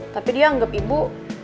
tapi dia anggap ibu